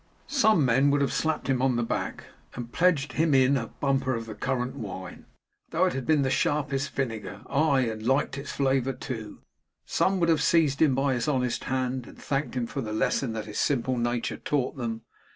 Some men would have slapped him on the back, and pledged him in a bumper of the currant wine, though it had been the sharpest vinegar aye, and liked its flavour too; some would have seized him by his honest hand, and thanked him for the lesson that his simple nature taught them.